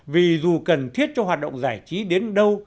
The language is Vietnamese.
vì dù cần thiết cho hoạt động giải trí đến đâu